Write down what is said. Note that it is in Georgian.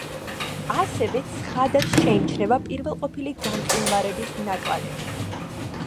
ასევე ცხადად შეიმჩნევა პირველყოფილი გამყინვარების ნაკვალევი.